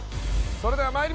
それでは参ります。